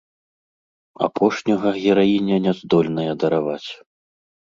Апошняга гераіня не здольная дараваць.